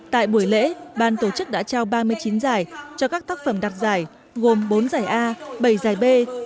tại buổi lễ ban tổ chức đã trao ba mươi chín giải cho các tác phẩm đặc giải gồm bốn giải a bảy giải b